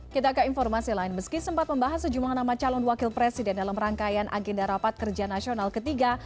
kita ke informasi lain meski sempat membahas sejumlah nama calon wakil presiden dalam rangkaian agenda rapat kerja nasional ketiga